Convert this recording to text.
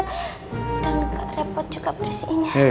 dan gak repot juga bersihinnya